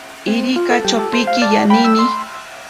Irira chopiki yanini.